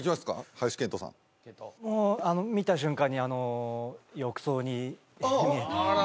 林遣都さん見た瞬間にあの浴槽に見えてああ！